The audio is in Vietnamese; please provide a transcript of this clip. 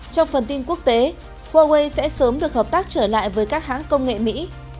trong phần tin quốc tế huawei sẽ sớm được hợp tác trở lại với các hãng công nghệ mỹ